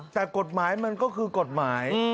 แต่กฎหมายมันก็คือกฎหมาย